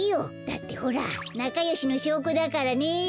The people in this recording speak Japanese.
だってほらなかよしのしょうこだからね。